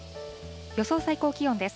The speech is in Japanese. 予想最高気温です。